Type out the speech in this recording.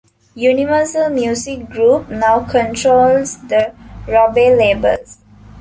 Universal Music Group now controls the Robey labels.